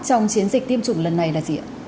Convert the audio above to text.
trong chiến dịch tiêm chủng lần này là gì ạ